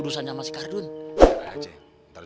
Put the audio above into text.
ntar juga dikenal patunya